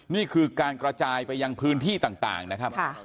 นี่คือการกระจายไปยังพื้นที่ต่างนะครับ